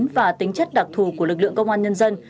và tính chất đặc thù của lực lượng công an nhân dân